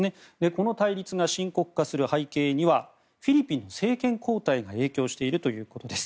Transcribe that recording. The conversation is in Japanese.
この対立が深刻化する背景にはフィリピンの政権交代が影響しているということです。